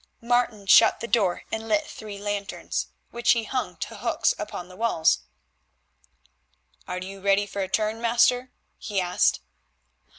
Martin shut the door and lit three lanterns, which he hung to hooks upon the wall. "Are you ready for a turn, master?" he asked.